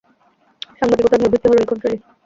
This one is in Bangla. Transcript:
সাংবাদিকতার মূল ভিত্তি হলো লিখন শৈলী